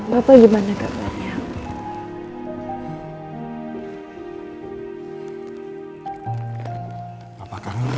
bapak neremus siap latitude